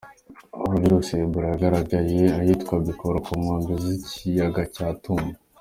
Aho virusi ya Ebola yagaragaye ahitwa Bikoro ku nkombe z’ ikiyaga cya Tumba.